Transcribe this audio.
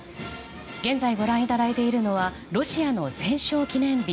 現在ご覧いただいているのはロシアの戦勝記念日